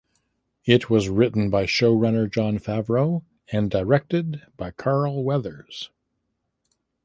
It was written by showrunner Jon Favreau and directed by Carl Weathers.